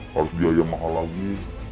harus biaya mahal lagi